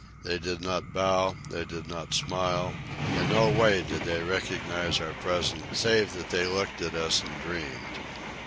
They did not bow, they did not smile, in no way did they recognize our presence save that they looked at us and dreamed.